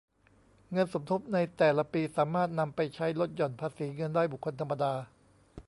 เงินสมทบในแต่ละปีสามารถนำไปใช้ลดหย่อนภาษีเงินได้บุคคลธรรมดา